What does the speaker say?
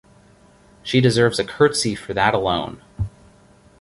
She deserves a curtsy for that alone.